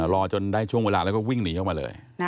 รอจนได้ช่วงเวลาแล้วก็วิ่งหนีออกมาเลย